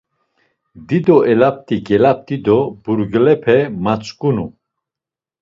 Dido elapti gelapti do burgilepe matzǩunu.